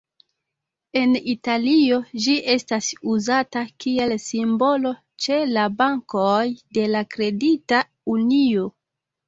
En Italio ĝi estas uzata kiel simbolo ĉe la bankoj de la Kredita Unio.